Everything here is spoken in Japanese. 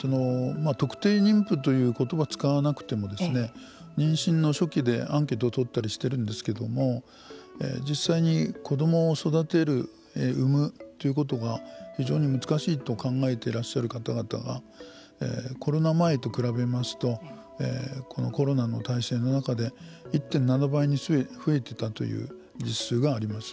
特定妊婦ということばを使わなくても妊娠の初期でアンケートを取ったりしているんですけれども実際に子どもを育てる産むということが非常に難しいと考えていらっしゃる方々がコロナ前と比べますとこのコロナの体制の中で１．７倍に増えてたという実数があります。